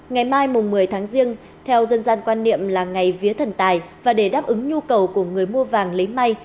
ngày mai một mươi tháng riêng theo dân gian quan niệm là ngày vía thần tài và để đáp ứng nhu cầu của người mua vàng lấy may